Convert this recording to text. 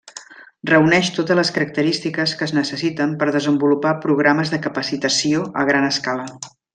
Reuneix totes les característiques que es necessiten per desenvolupar programes de capacitació a gran escala.